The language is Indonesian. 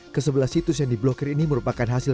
ke sebelah situs yang diblokir ini merupakan hasil